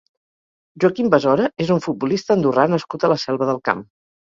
Joaquim Besora és un futbolista andorrà nascut a la Selva del Camp.